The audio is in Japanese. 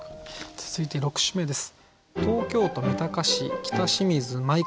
続いて６首目です。